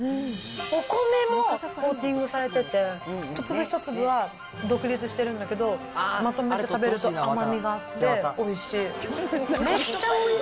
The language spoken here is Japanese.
お米もコーティングされてて、一粒一粒は独立してるんだけど、まとめて食べると甘みがあって、おいしい。